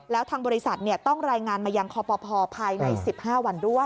แล้วทางบริษัทต้องรายงานมายังคอปภภายใน๑๕วันด้วย